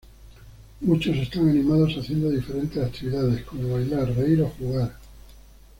Muchos están animados haciendo diferentes actividades, como bailar, reír o jugar.